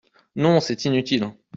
Non, c’est inutile.